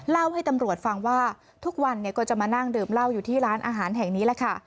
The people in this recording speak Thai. เล่าให้ตำรวจฟังว่าทุกวันเนี่ยก็จะมานั่งดื่มเหล้าอยู่ที่ร้านอาหารแห่งนี้แหละค่ะ